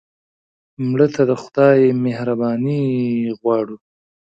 مړه ته د خدای مهرباني غوښتو